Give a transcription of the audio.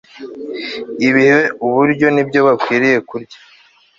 igihe uburyo nibyo bakwiriye kurya